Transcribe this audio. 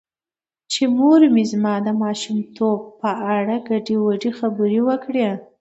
چې مور مې زما د ماشومتوب په اړه ګډې وګډې خبرې وکړې .